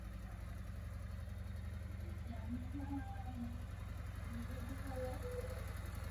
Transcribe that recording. Mohammad Selim Maulana Azad college থেকে দর্শন বিভাগে পড়াশোনা করেন।